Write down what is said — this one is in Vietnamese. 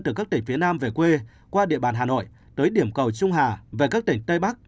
từ các tỉnh phía nam về quê qua địa bàn hà nội tới điểm cầu trung hà về các tỉnh tây bắc